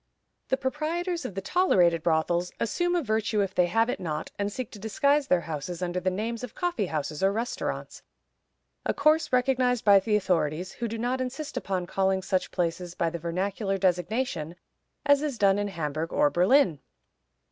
The proprietors of the tolerated brothels "assume a virtue if they have it not," and seek to disguise their houses under the names of coffee houses or restaurants; a course recognized by the authorities, who do not insist upon calling such places by the vernacular designation, as is done in Hamburg or Berlin.